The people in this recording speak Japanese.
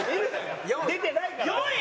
４位。